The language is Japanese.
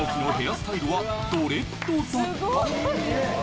スタイルはドレッドだった